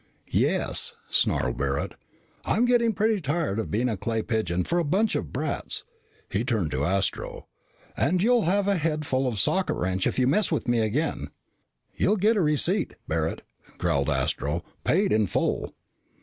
"Yes," snarled Barret. "I'm getting pretty tired of being a clay pigeon for a bunch of brats." He turned to Astro. "You'll have a head full of socket wrench if you mess with me again." "You'll get a receipt, Barret," growled Astro. "Paid in full."